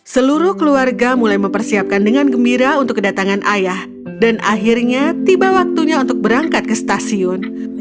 seluruh keluarga mulai mempersiapkan dengan gembira untuk kedatangan ayah dan akhirnya tiba waktunya untuk berangkat ke stasiun